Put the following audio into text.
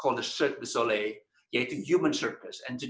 yang disebut cirque du soleil yaitu circus manusia